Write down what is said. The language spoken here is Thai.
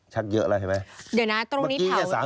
ชักเยอะแล้วเห็นไหมเดี๋ยวนะตรงนี้ถ่าว